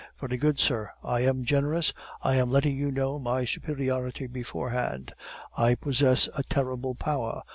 Very good, sir; I am generous, I am letting you know my superiority beforehand. I possess a terrible power.